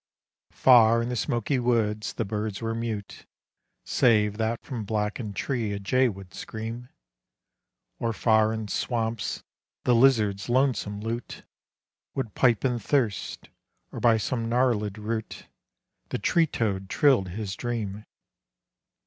Far in the smoky woods the birds were mute, Save that from blackened tree a jay would scream, Or far in swamps the lizard's lonesome lute Would pipe in thirst, or by some gnarlèd root The tree toad trilled his dream.